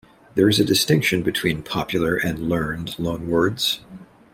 There is a distinction between "popular" and "learned" loanwords.